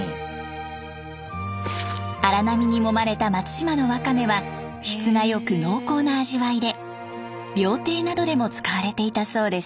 荒波にもまれた松島のワカメは質が良く濃厚な味わいで料亭などでも使われていたそうです。